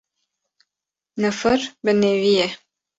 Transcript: Nifir bi nivî ye